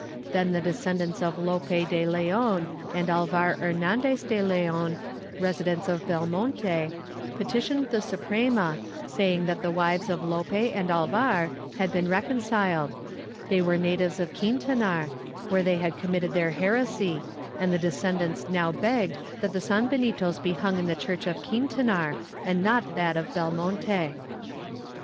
Then the descendants of Lope de Leon and Alvar Hernandez de Leon, residents of Belmonte, petitioned the Suprema, saying that the wives of Lope and Alvar had been reconciled; they were natives of Quintanar, where they had committed their heresy, and the descendants now begged that the sanbenitos be hung in the church of Quintanar and not of Belmonte.